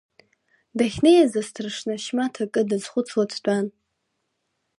Дахьнеиз асҭаршна Шьмаҭ акы дазхәыцуа дтәан.